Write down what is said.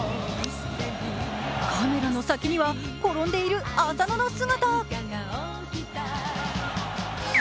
カメラの先には転んでいる浅野の姿。